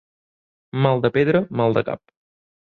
Mal de pedra, mal de cap.